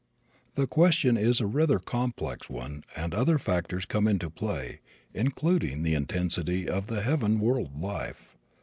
The question is a rather complex one and other factors come into play, including the intensity of the heaven world life.